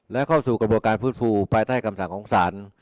และเข้าสู่กระบวกการฟื้นฟูภายใต้กรรมสารของสาร